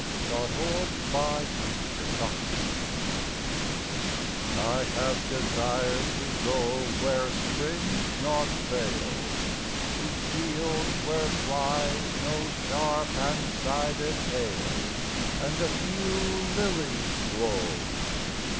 HOPWOOD I HAVE DESIRED TO GO I HAVE desired to go Where springs not fail, To fields where flies no sharp and sided hail, And a few lilies blow.